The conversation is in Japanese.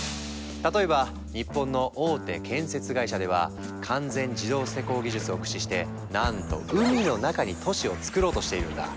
例えば日本の大手建設会社では完全自動施工技術を駆使してなんと海の中に都市をつくろうとしているんだ。